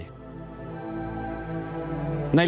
ในละเอียด